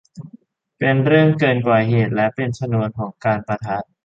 เป็นเรื่องเกินกว่าเหตุ และเป็นชนวนของการปะทะ